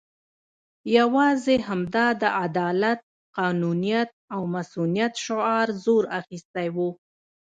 یوازې همدا د عدالت، قانونیت او مصونیت شعار زور اخستی وو.